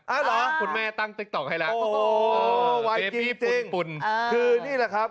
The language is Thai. เหรอคุณแม่ตั้งติ๊กต๊อกให้แล้วโอ้โหไวจริงคือนี่แหละครับ